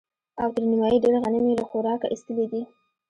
او تر نيمايي ډېر غنم يې له خوراکه ايستلي دي.